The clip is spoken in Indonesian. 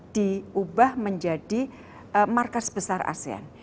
diubah menjadi markas besar asean